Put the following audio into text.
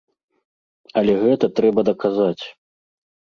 Але гэта трэба даказаць.